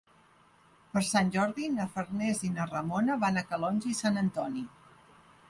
Per Sant Jordi na Farners i na Ramona van a Calonge i Sant Antoni.